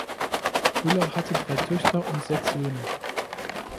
Hüller hatte drei Töchter und sechs Söhne.